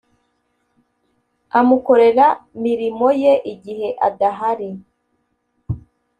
amukorera mirimo ye igihe adahari